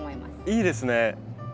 いいですね。